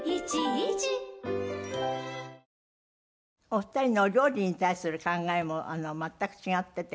お二人のお料理に対する考えも全く違っていて。